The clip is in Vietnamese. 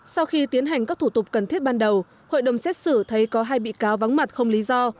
sau khi tiến hành các thủ tục cần thiết ban đầu hội đồng xét xử thấy có hai bị cáo vắng mặt không lý do